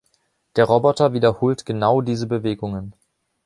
Der Roboter wiederholt genau diese Bewegungen.